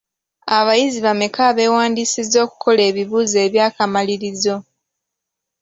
Abayizi bameka abeewandiisizza okukola ebibuuzo eby'akamalirizo?